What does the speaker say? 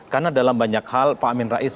karena dalam banyak hal pak amin rais